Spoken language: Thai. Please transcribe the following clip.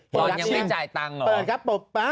เปิดยังไม่จ่ายตังหรอ